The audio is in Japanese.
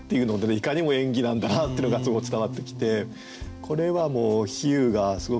いかにも演技なんだなってのがすごく伝わってきてこれはもう比喩がすごく面白くて。